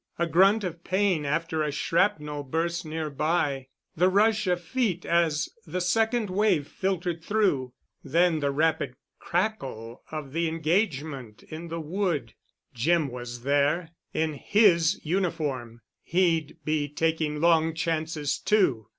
A grunt of pain after a shrapnel burst nearby ... the rush of feet as the second wave filtered through ... then the rapid crackle of the engagement in the wood. Jim was there—in his uniform. He'd be taking long chances too.